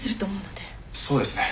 そうですね。